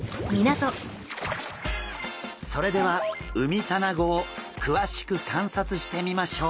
それではウミタナゴを詳しく観察してみましょう。